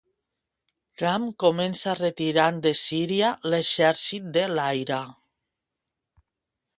Trump comença retirant de Síria l'exèrcit de l'aire